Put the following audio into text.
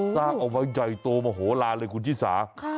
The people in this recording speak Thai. สร้างเอาไว้ใหญ่โตมโหลานเลยคุณชิสา